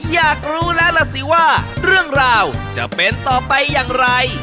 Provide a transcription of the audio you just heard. อยากรู้แล้วล่ะสิว่าเรื่องราวจะเป็นต่อไปอย่างไร